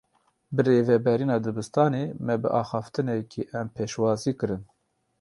Birêveberiya dibistana me bi axaftinekê em pêşwazî kirin.